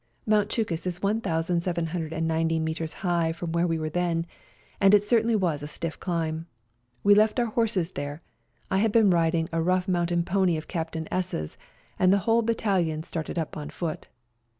Mount Chukus is 1,790 metres high from where we were then, and it certainly was a stiff climb. We left our horses there — I had been riding a rough mountain pony of Captain S 's — and the whole battalion started up on foot.